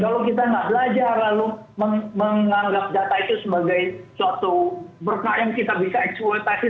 kalau kita nggak belajar lalu menganggap data itu sebagai suatu berkah yang kita bisa eksploitasi